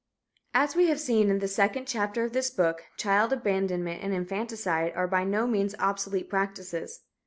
As we have seen in the second chapter of this book, child abandonment and infanticide are by no means obsolete practices.